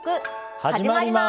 始まります。